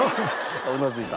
あっうなずいた。